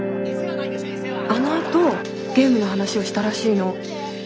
あのあとゲームの話をしたらしいの。